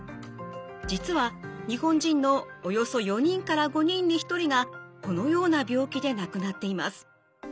実は日本人のおよそ４人から５人に１人がこのような病気で亡くなっています。